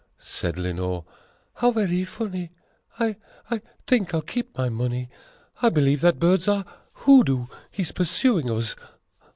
Said Lenore, "How very funny! I I think I'll keep my money I believe that bird's our hoodoo he's pursuing us